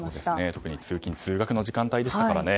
特に通勤・通学の時間帯でしたからね。